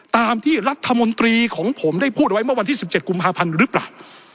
ตามที่รัฐมนตรีของผมได้พูดไว้เมื่อวันที่๑๗กุมภาพันธ์หรือเปล่า